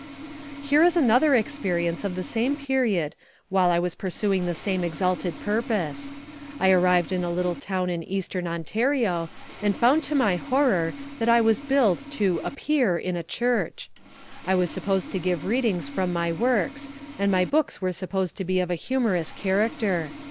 Here is another experience of the same period while I was pursuing the same exalted purpose: I arrived in a little town in Eastern Ontario, and found to my horror that I was billed to "appear" in a church. I was supposed to give readings from my works, and my books are supposed to be of a humorous character.